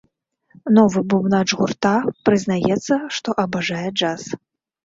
Новы бубнач гурта прызнаецца, што абажае джаз.